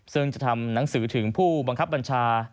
ซึ่งจะทำหนังสือถึงผู้บังคับบัญชา